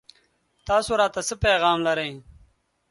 تاسو راته څه پيغام لرئ